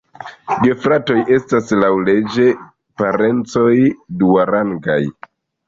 Gefratoj estas laŭleĝe parencoj duarangaj.